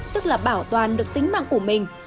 tức là bảo toàn được tính mạng của mình